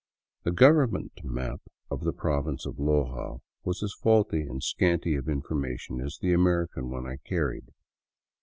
The government map of the province of Loja was as faulty and scanty of information as the American one I carried.